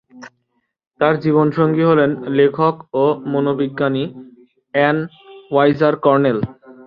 তার জীবন সঙ্গী হলেন লেখক ও মনোবিজ্ঞানী অ্যান ওয়াইজার কর্নেল।